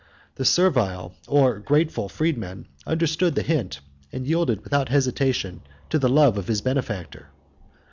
The servile, or grateful, freedman understood the hint, and yielded without hesitation to the love of his benefactor.